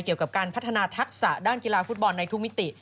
เกี่ยวกับการพัฒนาทักษะด้านกีฬาฟุตบอลในทุกมิติ